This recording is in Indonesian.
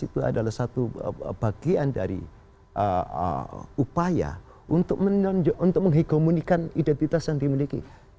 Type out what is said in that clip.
itu adalah satu bagian dari upaya untuk menghegomunikan identitas yang dimiliki